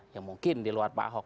ya mungkin di luar pak ahok